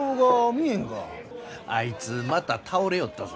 あいつまた倒れよったぞ。